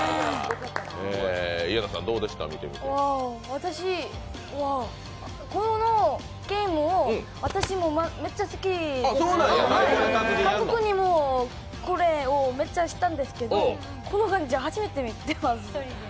私はこのゲームを私もめっちゃ好きで韓国でもめっちゃしたんですけどこの感じは初めて見ます。